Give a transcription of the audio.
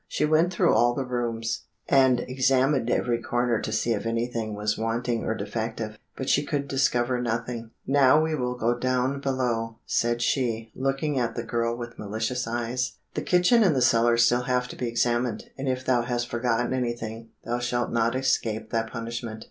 She went through all the rooms, and examined every corner to see if anything was wanting or defective; but she could discover nothing. "Now we will go down below," said she, looking at the girl with malicious eyes. "The kitchen and the cellar still have to be examined, and if thou hast forgotten anything thou shalt not escape thy punishment."